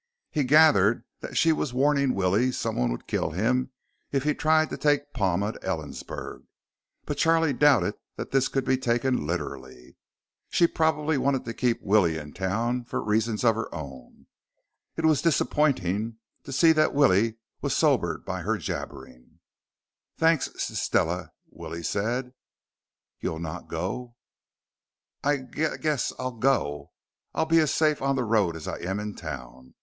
He gathered that she was warning Willie someone would kill him if he tried to take Palma to Ellensburg, but Charlie doubted that this could be taken literally. She probably wanted to keep Willie in town for reasons of her own. It was disappointing to see that Willie was sobered by her jabbering. "Thanks, S Stella," Willie said. "You'll not go?" "I g guess I'll go. I'll be as safe on the road as I am in t town.